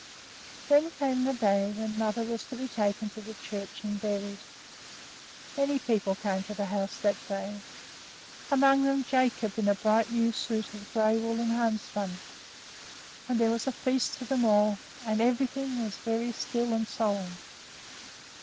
Then came the day when mother was to be taken to the church and buried. Many people came to the house that day, among them Jacob in a bright new suit of gray woolen homespun; and there was a feast for them all, and everything was very still and solemn.